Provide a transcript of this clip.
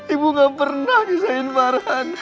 ibu nggak pernah disahin farhan